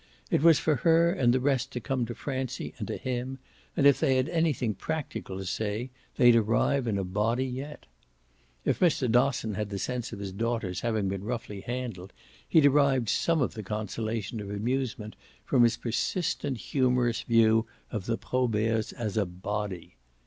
It was for her and the rest to come to Francie and to him, and if they had anything practical to say they'd arrive in a body yet. If Mr. Dosson had the sense of his daughter's having been roughly handled he derived some of the consolation of amusement from his persistent humorous view of the Proberts as a "body."